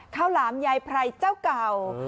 ข้าวหลามใยไพรเจ้าเก่า